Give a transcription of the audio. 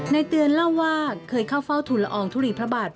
เตือนเล่าว่าเคยเข้าเฝ้าทุนละอองทุลีพระบาท